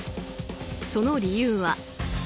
その理由は。